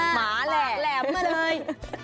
หมาแหลมมาเลย